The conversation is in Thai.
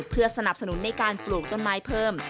เพื่อสนับสนุนในการปลูกต้นไม้เพิ่ม